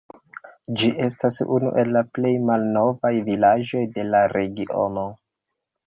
Ĝi estas unu el la plej malnovaj vilaĝoj de la regiono.